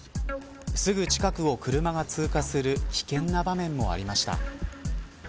すぐ近くを車が通過する危険な場面もありました。